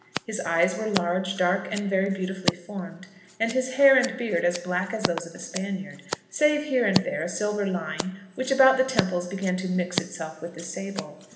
His eyes were large, dark, and very beautifully formed, and his hair and beard as black as those of a Spaniard, save here and there a silver line which about the temples began to mix itself with the sable.